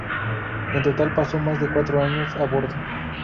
En total pasó más de cuatro años a bordo.